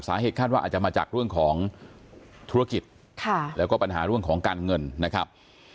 สาเหตุคาดว่าอาจจะมาจากเรื่องของธุรกิจแล้วก็ปัญหาเรื่องของการเงินนะครับ